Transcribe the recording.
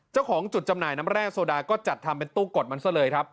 เจ้าของจุดจำหน่ายน้ำแร่โซดาก็จัดทำเป็นตู้กดมันซะเลยครับ